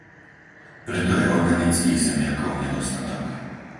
Preto je organických zemiakov nedostatok.